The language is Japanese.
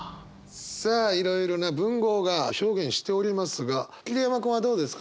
さあいろいろな文豪が表現しておりますが桐山君はどうですか？